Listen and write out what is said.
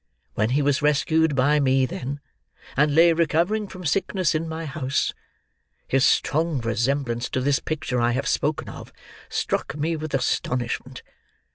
When he was rescued by me, then, and lay recovering from sickness in my house, his strong resemblance to this picture I have spoken of, struck me with astonishment.